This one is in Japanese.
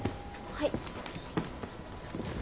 はい。